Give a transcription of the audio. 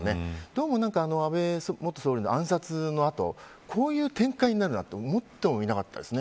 どうも安倍元総理の暗殺の後こういう展開になるなんて思ってもみなかったです。